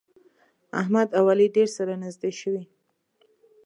احمد او علي ډېر سره نږدې شوي.